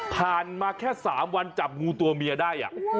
มาแค่๓วันจับงูตัวเมียได้